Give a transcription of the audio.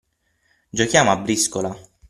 Giochiamo a briscola?